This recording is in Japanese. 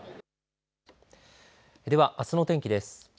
では、あすの天気です。